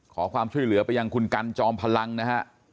ขอความช่วยเหลือไปยังคุณกันจอมพลังนะฮะ